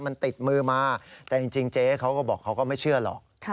มันติดมือมาแต่จริงเจ๊เขาก็บอกเขาก็ไม่เชื่อหรอก